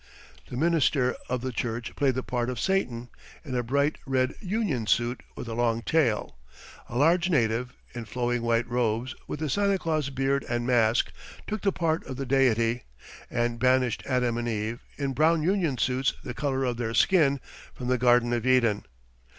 The minister of the church played the part of Satan, in a bright red union suit with a long tail; a large native, in flowing white robes, with a Santa Claus beard and mask, took the part of the Deity and banished Adam and Eve, in brown union suits the colour of their skin, from the Garden of Eden.